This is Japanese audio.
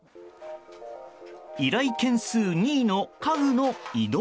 依頼件数２位の家具の移動。